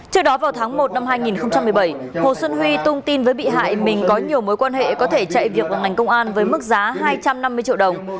trước đó vào tháng một năm hai nghìn một mươi bảy hồ xuân huy tung tin với bị hại mình có nhiều mối quan hệ có thể chạy việc vào ngành công an với mức giá hai trăm năm mươi triệu đồng